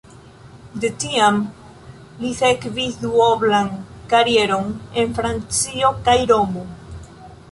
De tiam li sekvis duoblan karieron en Francio kaj Romo.